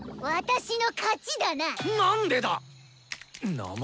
私の勝ちだな！